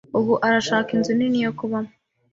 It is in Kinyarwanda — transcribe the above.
Ubu arashaka inzu nini yo kubamo.